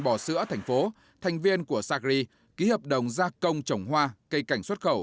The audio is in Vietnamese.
bò sữa thành phố thành viên của sacri ký hợp đồng gia công trồng hoa cây cảnh xuất khẩu